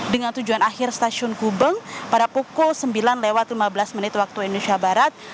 dengan tujuan akhir stasiun gubeng pada pukul sembilan lewat lima belas menit waktu indonesia barat